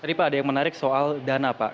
jadi pak ada yang menarik soal dana pak